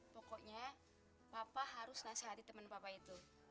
pokoknya papa harus nasihati temen papa itu